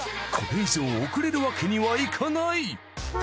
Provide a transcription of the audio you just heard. これ以上遅れるわけにはいかない。